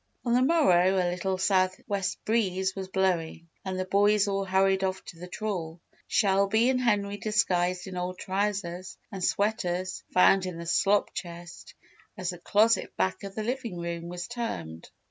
On the morrow a little southwest breeze was blowing and the boys all hurried off to the trawl, Shelby and Henry disguised in old trousers and sweaters found in the "slop chest," as the closet back of the living room was termed.